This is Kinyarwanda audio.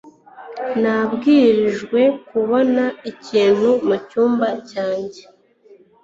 nabwirijwe kubona ikintu mu cyumba cyanjye